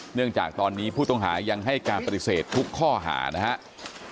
เนื่องจากตอนนี้ผู้ต้องหายังให้การปฏิเสธทุกข้อหานะครับ